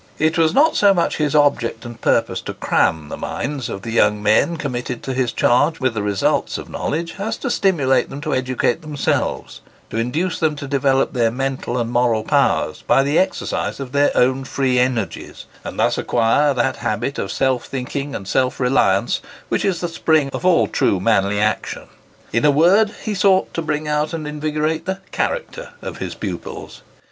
It was not so much his object and purpose to "cram" the minds of the young men committed to his charge with the results of knowledge, as to stimulate them to educate themselves—to induce them to develop their mental and moral powers by the exercise of their own free energies, and thus acquire that habit of self thinking and self reliance which is the spring of all true manly action. In a word, he sought to bring out and invigorate the character of his pupils.